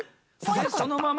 そのまま？